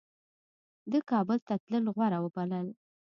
ده کابل ته تلل غوره وبلل.